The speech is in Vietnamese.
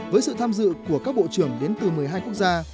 với sự tham dự của các bộ trưởng đến từ một mươi hai quốc gia